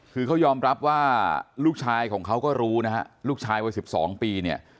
คือเขายอมรับว่าลูกชายของเขาก็รู้นะฮะลูกชายวัย๑๒ปีเนี่ย